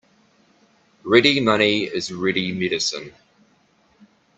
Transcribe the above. Ready money is ready medicine.